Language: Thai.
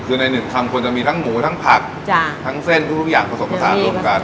คือในหนึ่งคำควรจะมีทั้งหมูทั้งผักทั้งเส้นทุกอย่างผสมผสานรวมกัน